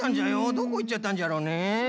どこいっちゃったんじゃろうね。